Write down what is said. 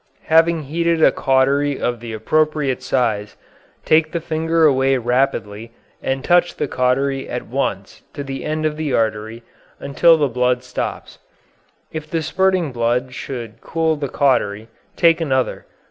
Having heated a cautery of the appropriate size, take the finger away rapidly and touch the cautery at once to the end of the artery until the blood stops. If the spurting blood should cool the cautery, take another.